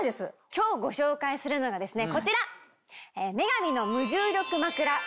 今日ご紹介するのがですねこちら！